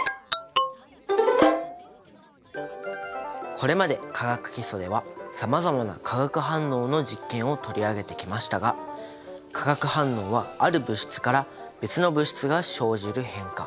これまで化学基礎ではさまざまな化学反応の実験を取り上げてきましたが化学反応はある物質から別の物質が生じる変化